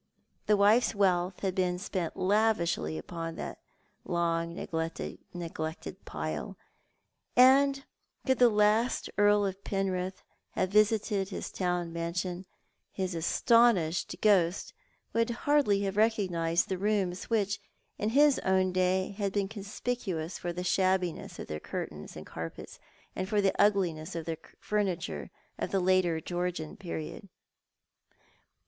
The wife's wealth had been spent lavishly upon that long neglected pile, and could the last Earl of Penrith have revisited his town mansion, his astonished ghost would hardly have recognised the rooms which, in his own day, had been conspicuous for the shabbiness of their curtains and carpets, and the ugliness of their furniture, of the later Georgian period.